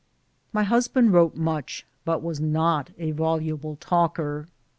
My hus band wrote much, but was not a voluble talker.